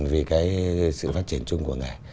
vì cái sự phát triển chung của người